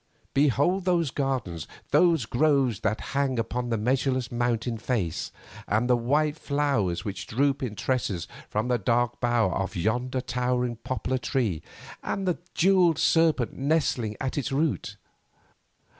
Behold those gardens, those groves that hang upon the measureless mountain face, and the white flowers which droop in tresses from the dark bough of yonder towering poplar tree, and the jewelled serpent nestling at its root.